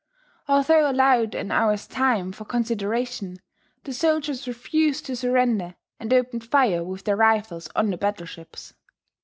Although allowed an hour's time for consideration, the soldiers refused to surrender, and opened fire with their rifles on the battleships.